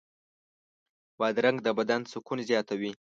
بادرنګ د بدن سکون زیاتوي.